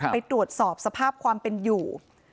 ไปตรวจสอบสภาพความเป็นอยู่